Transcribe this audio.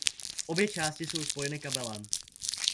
Obě části jsou spojeny kabelem.